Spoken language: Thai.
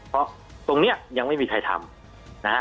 เพราะตรงนี้ยังไม่มีใครทำนะฮะ